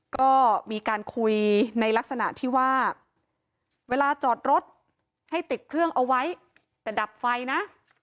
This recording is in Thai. ก็มีการคุยในลักษณะที่ว่าเวลาจอดรถให้ติดเครื่องเอาไว้แต่ดับไฟนะ